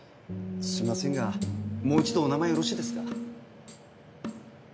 すいませんがもう一度お名前よろしいですか。